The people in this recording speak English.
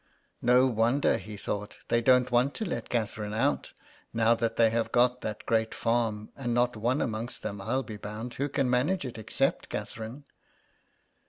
•'No wonder," he thought, ''they don't want to let Catherine out, now that they have got that great farm, and not one among them, I'll be bound, who can manage it except Catherine."